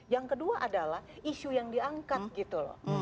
yang kedua adalah isu yang diangkat gitu loh